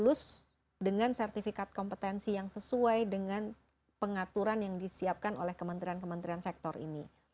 lulus dengan sertifikat kompetensi yang sesuai dengan pengaturan yang disiapkan oleh kementerian kementerian sektor ini